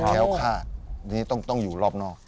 แค้วคาดต้องอยู่รอบนอก